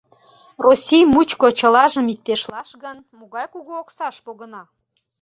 Россий мучко чылажым иктешлаш гын, могай кугу оксаш погына?